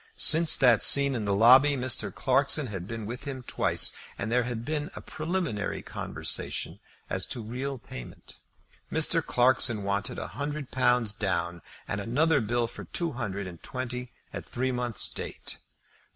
Since that scene in the lobby Mr. Clarkson had been with him twice, and there had been a preliminary conversation as to real payment. Mr. Clarkson wanted a hundred pounds down, and another bill for two hundred and twenty at three months' date.